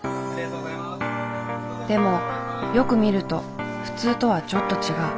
でもよく見ると普通とはちょっと違う。